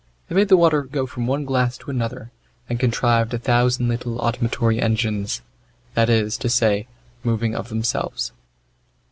They made the water go from one glass to another, and contrived a thousand little automatory engines, that is to say, moving of themselves.